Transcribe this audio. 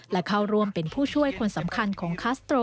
และเข้าร่วมเป็นผู้ช่วยคนสำคัญของคัสโตร